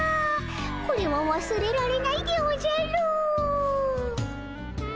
これはわすれられないでおじゃる。